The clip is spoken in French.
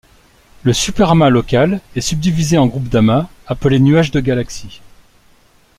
Le Superamas local est subdivisé en groupe d'amas appelées nuages de galaxies.